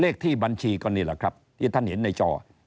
เลขที่บัญชีก็นี่แหละครับที่ท่านเห็นในจอ